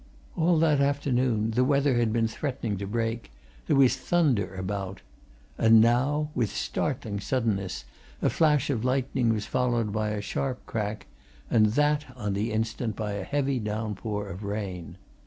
All that afternoon the weather had been threatening to break there was thunder about. And now, with startling suddenness, a flash of lightning was followed by a sharp crack, and that on the instant by a heavy downpour of rain.